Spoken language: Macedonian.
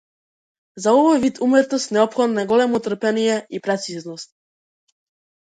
За овој вид уметност неопходно е големо трпение и прецизност.